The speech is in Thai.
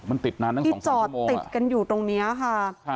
มันติดนานตั้ง๒๓ชั่วโมงที่จอดติดกันอยู่ตรงนี้ค่ะ